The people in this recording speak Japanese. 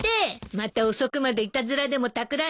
また遅くまでいたずらでもたくらんでたんでしょう。